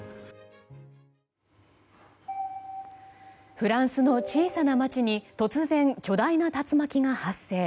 フランスの小さな街に突然巨大な竜巻が発生。